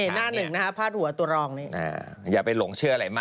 หน้าหนึ่งน่ะภาพหัวตัวรองนี้